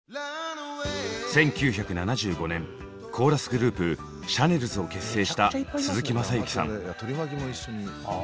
１９７５年コーラスグループ「シャネルズ」を結成した鈴木雅之さん。